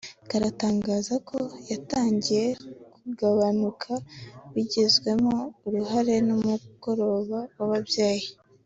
karatangaza ko yatangiye kugabanuka bigizwemo uruhare n’umugoroba w’ababyeyi